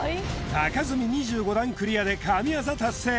高積み２５段クリアで神業達成